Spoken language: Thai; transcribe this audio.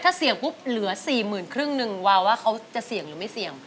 ถ้าเสี่ยงปุ๊บเหลือ๔๐๐๐ครึ่งหนึ่งวาวว่าเขาจะเสี่ยงหรือไม่เสี่ยง